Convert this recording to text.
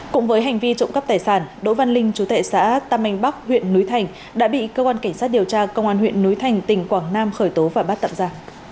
cũng với hành vi trộm cắp tài sản đỗ văn linh chú tệ xã tam anh bắc huyện núi thành đã bị cơ quan cảnh sát điều tra công an huyện núi thành tỉnh quảng nam khởi tố và bắt tậm ra